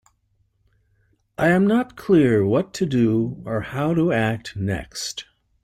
I am not clear what to do or how to act next.